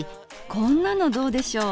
こんなのどうでしょう？